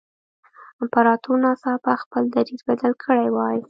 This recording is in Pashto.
امپراتور ناڅاپه خپل دریځ بدل کړی وای.